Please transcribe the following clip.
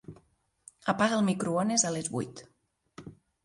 Apaga el microones a les vuit.